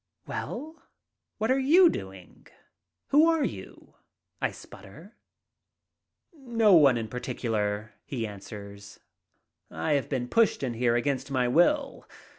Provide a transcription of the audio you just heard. "Well, what are you doing — Who are you?" 1 splutter. "No one in particular," he answers. "I have been pushed in here against my will.